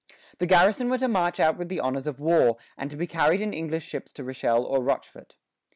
The garrison were to march out with the honors of war, and to be carried in English ships to Rochelle or Rochefort.